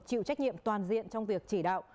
chịu trách nhiệm toàn diện trong việc chỉ đạo